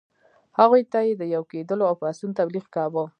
هغوی ته یې د یو کېدلو او پاڅون تبلیغ کاوه.